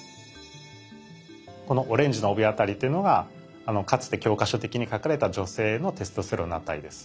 このオレンジの帯辺りというのがかつて教科書的に書かれた女性のテストステロンの値です。